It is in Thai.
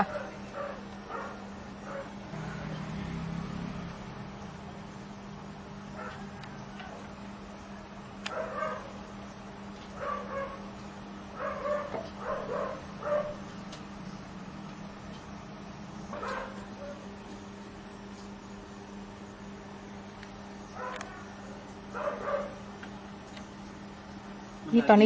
อร่อยมากบริเวณเรื่องความสุขและความเป็นความธรรม